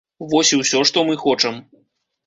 Вось і ўсё, што мы хочам.